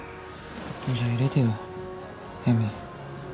じゃあ入れてよえみ。